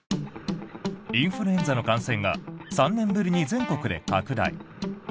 インフルエンザの感染が３年ぶりに全国で拡大。